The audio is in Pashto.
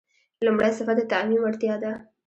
لومړی صفت د تعمیم وړتیا ده.